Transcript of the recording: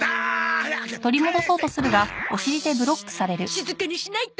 静かにしないと。